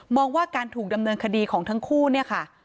ว่าการถูกดำเนินคดีของทั้งคู่เนี่ยค่ะ